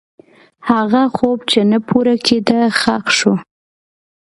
هغه خوب چې نه پوره کېده، ښخ شو.